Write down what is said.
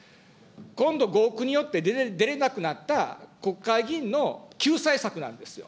今度、合区によって出れなくなった国会議員の救済策なんです。